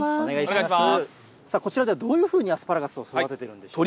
こちらではどういうふうにアスパラガスを育てているんでしょうか。